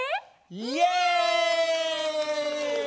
イエイ！